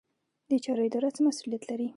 د چارو اداره څه مسوولیت لري؟